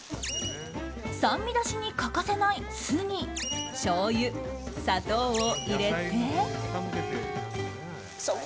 酸味出しに欠かせない酢にしょうゆ、砂糖を入れて。